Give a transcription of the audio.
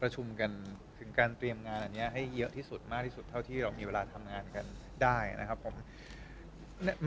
กันถึงการเตรียมงานอันนี้ให้เยอะที่สุดมากที่สุดเท่าที่เรามีเวลาทำงานกันได้นะครับผม